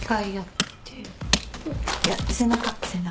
いや背中背中。